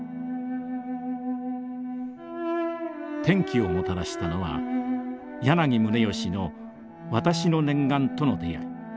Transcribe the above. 転機をもたらしたのは柳宗悦の「私の念願」との出会い。